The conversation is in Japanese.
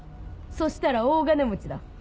そしたら大金持ちだ。